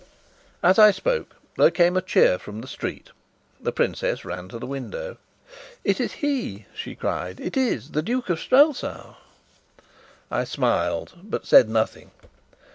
As I spoke, there came a cheer from the street. The princess ran to the window. "It is he!" she cried. "It is the Duke of Strelsau!" I smiled, but said nothing.